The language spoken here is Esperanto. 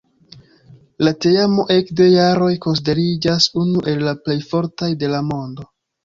La teamo ekde jaroj konsideriĝas unu el la plej fortaj de la mondo.